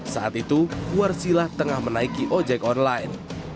saat itu warsilah tengah menaiki ojek online